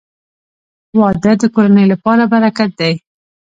• واده د کورنۍ لپاره برکت دی.